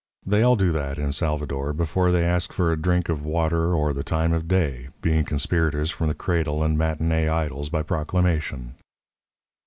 They all do that in Salvador before they ask for a drink of water or the time of day, being conspirators from the cradle and matinee idols by proclamation.